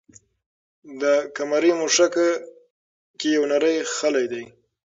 د قمرۍ مښوکه کې یو نری خلی دی.